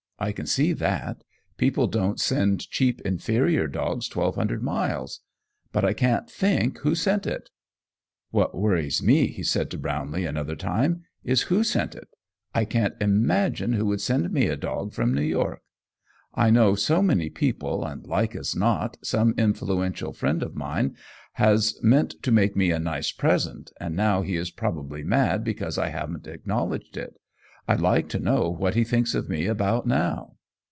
I can see that. People don't send cheap, inferior dogs twelve hundred miles. But I can't think who sent it." "What worries me," he said to Brownlee another time, "is who sent it. I can't imagine who would send me a dog from New York. I know so many people, and, like as not, some influential friend of mine has meant to make me a nice present, and now he is probably mad because I haven't acknowledged it. I'd like to know what he thinks of me about now!"